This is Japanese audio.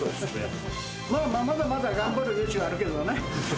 まだまだ頑張る余地はあるけどね。